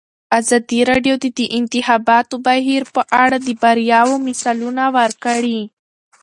ازادي راډیو د د انتخاباتو بهیر په اړه د بریاوو مثالونه ورکړي.